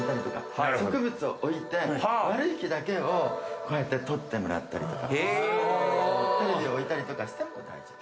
悪い気だけを取ってもらったりとかテレビを置いたりしても大丈夫。